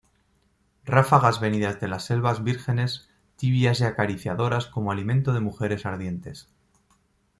ráfagas venidas de las selvas vírgenes, tibias y acariciadoras como aliento de mujeres ardientes